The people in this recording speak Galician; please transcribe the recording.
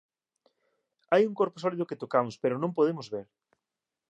Hai un corpo sólido que tocamos pro non podemos ver.